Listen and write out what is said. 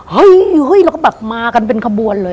เฮ้ยเราก็แบบมากันเป็นขบวนเลย